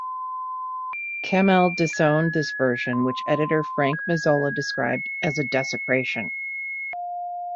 Cammell disowned this version which editor Frank Mazzola described as a 'desecration'.